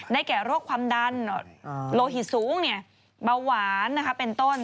แก่โรคความดันโลหิตสูงเบาหวานเป็นต้น